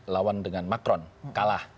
lawan dengan macron kalah